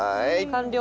完了。